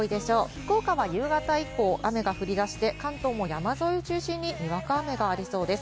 福岡は夕方以降、雨が降り出して関東も山沿いを中心に、にわか雨がありそうです。